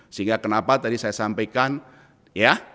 sehingga kenapa tadi saya sampaikan ya